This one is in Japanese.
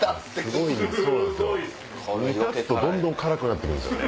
どんどん辛くなって行くんすよね。